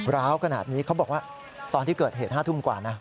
ร้าวขนาดนี้เขาบอกว่าตอนที่เกิดเหตุ๕ทุ่มกว่านะ